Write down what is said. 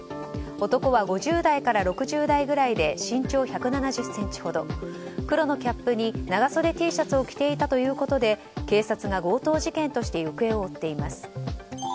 男は５０代から６０代くらいで身長１７０ｃｍほど黒のキャップに長袖Ｔシャツを着ていたということで警察が強盗事件として行方を追っています。